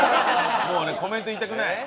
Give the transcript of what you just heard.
もうねコメント言いたくない？